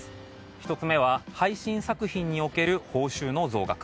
１つ目は配信作品における報酬の増額。